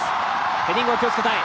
ヘディングを気をつけたい。